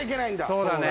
そうだね。